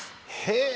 へえ。